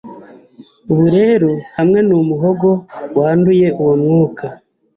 Ubu rero hamwe n'umuhogo wanduye uwo mwuka